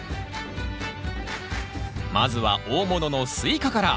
まずは大物のスイカから。